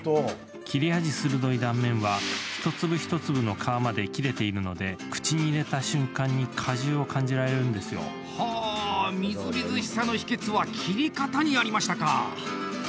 切れ味、鋭い断面は一粒一粒の皮まで切れているので口に入れた瞬間に果汁を感じられるんですよ。は、みずみずしさの秘けつは切り方にありましたか！